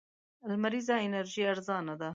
لمريزه انرژي ارزانه ده.